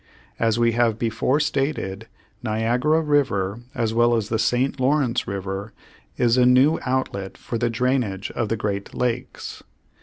As we have before stated, Niagara River as well as the St. Lawrence River is a new outlet for the drainage of the great lakes.